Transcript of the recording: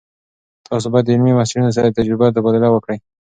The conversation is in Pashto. تاسو باید د علمي محصلینو سره د تجربو تبادله وکړئ.